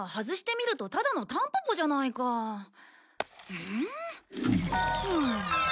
うん？